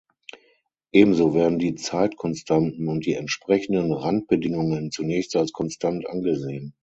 Ebenso werden die Zeitkonstanten und die entsprechenden Randbedingungen zunächst als konstant angesehen.